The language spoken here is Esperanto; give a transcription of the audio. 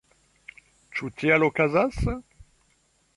Ĉu tiel okazas?